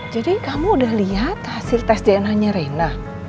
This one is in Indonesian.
jadi kamu udah liat hasil tes dna nya rena